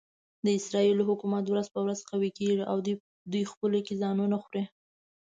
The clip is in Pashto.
د اسرایلو حکومت ورځ په ورځ قوي کېږي او دوی خپلو کې ځانونه خوري.